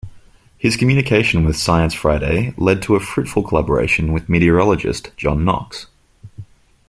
His communication with "Science Friday" led to a fruitful collaboration with meteorologist John Knox.